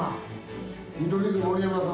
「見取り図盛山様」